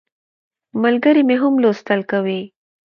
ملګری مې هم لوستل کوي.